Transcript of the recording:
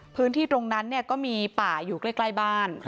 พื้นที่ตรงนั้นก็มีป่าอยู่ใกล้บ้าน